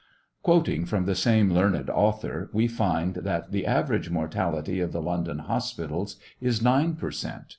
Quoting from the same learned author we find that " the average mortality of the London hospitals is nine per cent.